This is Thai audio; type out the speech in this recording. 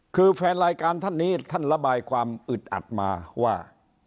คือแฟนรายการท่านนี้ท่านระบายความอึดอัดมาว่า